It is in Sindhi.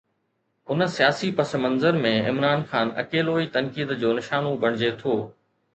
ان سياسي پسمنظر ۾ عمران خان اڪيلو ئي تنقيد جو نشانو بڻجي ٿو.